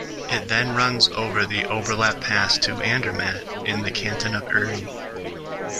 It then runs over the Oberalp Pass to Andermatt in the canton of Uri.